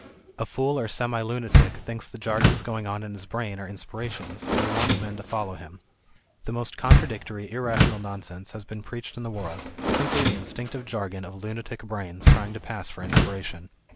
A fool or semi lunatic thinks the jargons going on in his brain are inspirations, and he wants men to follow him. The most contradictory, irrational nonsense has been preached in the world, simply the instinctive jargon of lunatic brains trying to pass for inspiration.